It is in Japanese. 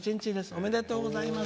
おめでとうございます。